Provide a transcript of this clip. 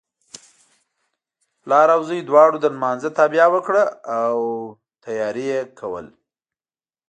پلار او زوی دواړو د لمانځه تابیا وکړه او یې تیاری کاوه.